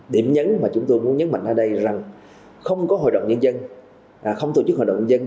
điểm nhấn mà chúng tôi muốn nhấn mạnh ở đây là không có hội đồng nhân dân không tổ chức hội đồng nhân